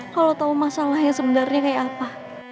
kalau tahu masalahnya sebenarnya kayak apa